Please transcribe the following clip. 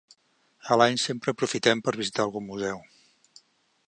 A l'any sempre aprofitem per visitar algun museu.